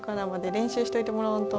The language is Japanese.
練習しといてもらわんと。